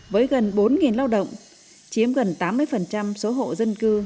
với gần bốn lao động chiếm gần tám mươi số hộ dân cư